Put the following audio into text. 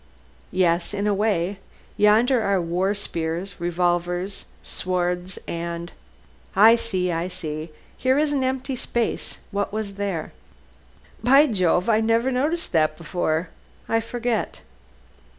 "Yes, in a way. Yonder are war spears, revolvers, swords, and " "I see I see. Here is an empty space. What was here?" "By Jove, I never noticed that before. I forget!"